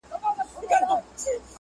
ملامت نۀ وه كۀ يى مخ كۀ يى سينه وهله-